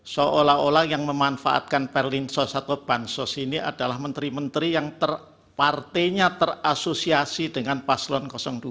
seolah olah yang memanfaatkan perlinsos atau bansos ini adalah menteri menteri yang partainya terasosiasi dengan paslon dua